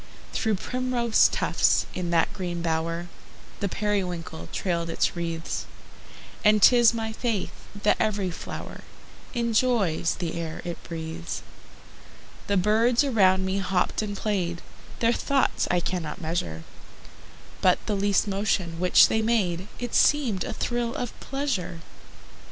Through primrose tufts, in that green bower, The periwinkle trailed its wreaths; And 'tis my faith that every flower Enjoys the air it breathes. The birds around me hopped and played, Their thoughts I cannot measure: But the least motion which they made It seemed a thrill of pleasure.